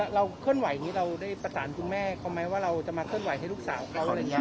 เคลื่อนไหวอย่างนี้เราได้ประสานคุณแม่เขาไหมว่าเราจะมาเคลื่อนไหวให้ลูกสาวเขาอะไรอย่างนี้